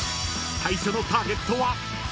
［最初のターゲットは］